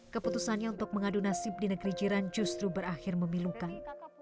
keputusannya untuk mengadu nasib di negeri jiran justru berakhir memilukan